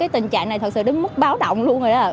tình trạng này thật sự đến mức báo động luôn rồi đó